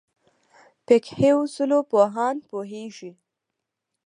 فقهې اصولو پوهان پوهېږي.